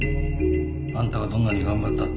あんたがどんなに頑張ったって